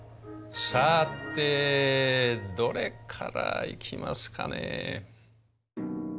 さてどれからいきますかね。